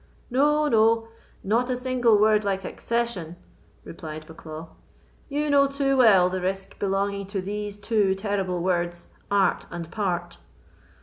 "No, no, not a single word like accession," replied Bucklaw; "you know too well the risk belonging to these two terrible words, 'art and part.